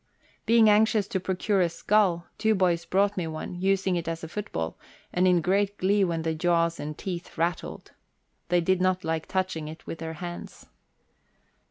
Being anxious to procure a skull, two boys brought me one, using it as a football, and in great glee when the jaws and teeth rattled. They did not like touching it with their hands.